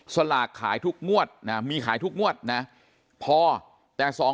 สลากขายทุกงวดนะมีขายทุกงวดนะพอแต่สอง